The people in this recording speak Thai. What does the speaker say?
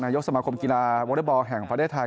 ยกสมาคมกีฬาวอเล็กบอลแห่งประเทศไทย